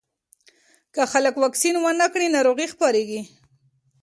که خلک واکسین ونه کړي، ناروغي خپرېږي.